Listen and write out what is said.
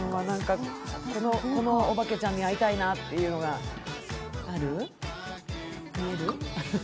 このおばけちゃんに会いたいなっていうのがある？